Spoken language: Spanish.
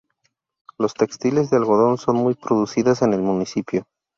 Los textiles de algodón son muy producidas en el municipio.